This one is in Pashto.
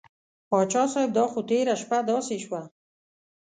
پاچا صاحب دا خو تېره شپه داسې شوه.